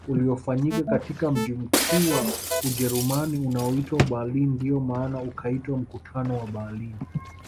Uliofanyika katika mji mkuu wa Ujerumani unaoitwa Berlin ndio maana ukaitwa mkutano wa Berlini